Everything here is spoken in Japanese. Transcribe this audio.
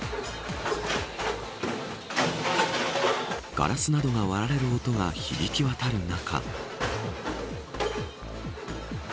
ガラスなどが割られる音が響き渡る中。